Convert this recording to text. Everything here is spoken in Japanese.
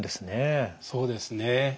そうですね。